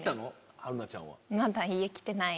春菜ちゃんは。